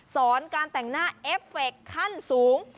สอนการแต่งหน้าเอฟเฟคขั้นสูง